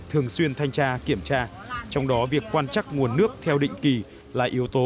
thường xuyên thanh tra kiểm tra trong đó việc quan trắc nguồn nước theo định kỳ là yếu tố